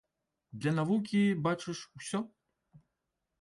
Для навукі, бачыш, усё.